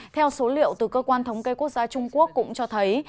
theo số liệu từ cơ quan thống kê quốc gia trung quốc cũng cho thấy